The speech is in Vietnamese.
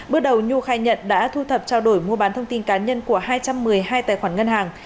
bước đầu nhu khai nhận đã thu thập trao đổi mua bán thông tin cá nhân của hai trăm một mươi hai tài khoản ngân hàng